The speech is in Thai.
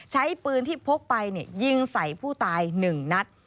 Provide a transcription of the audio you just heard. ใช้ปืนที่พกไปยิงใส่ผู้ตาย๑นัด